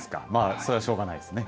それはしょうがないですね。